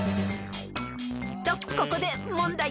［とここで問題］